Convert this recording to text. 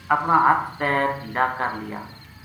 اپنا ہتھ پیر ڈھیلا کر لیا